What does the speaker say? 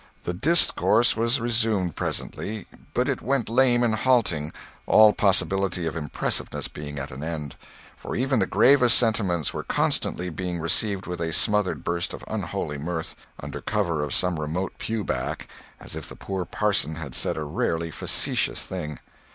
The discourse was resumed presently, but it went lame and halting, all possibility of impressiveness being at an end; for even the gravest sentiments were constantly being received with a smothered burst of unholy mirth, under cover of some remote pew back, as if the poor parson had said a rarely facetious thing.